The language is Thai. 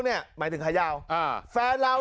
นักเรียงมัธยมจะกลับบ้าน